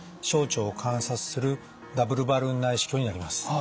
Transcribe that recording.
小腸を観察するダブルバルーン内視鏡になります。